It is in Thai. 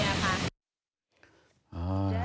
พักหลังก็กำลังมาซื้อหาสัตว์ที่น้าทีได้เจอกับเจียร์ค่ะ